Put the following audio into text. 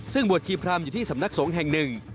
ซึ่งบวชชีพรามอยู่ที่สำนักสงฆ์แห่งหนึ่ง